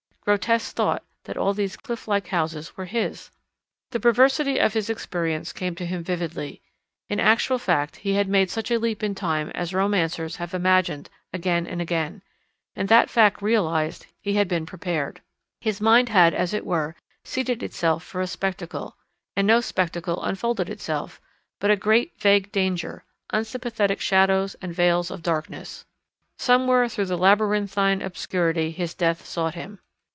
Grotesque thought, that all these cliff like houses were his! The perversity of his experience came to him vividly. In actual fact he had made such a leap in time as romancers have imagined again and again. And that fact realised, he had been prepared. His mind had, as it were, seated itself for a spectacle. And no spectacle unfolded itself, but a great vague danger, unsympathetic shadows and veils of darkness. Somewhere through the labyrinthine obscurity his death sought him.